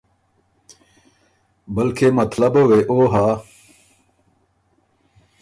بلکې مطلبه وې او هۀ